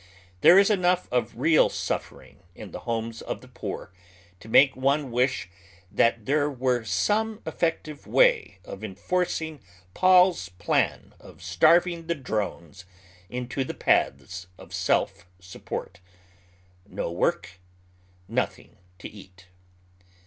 There ia eiiosigh of real suffering in the liomes of the poor to make one wish tliat there were some effective way of enforcing Paul's plan of starving the drones into the paths of self support : no work, nothing to eat.